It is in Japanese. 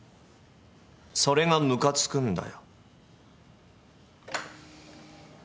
それがムカつくんだよ。